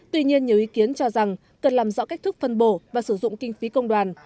tuy nhiên nhiều ý kiến cho rằng cần làm rõ cách thức phân bổ và sử dụng kinh phí công đoàn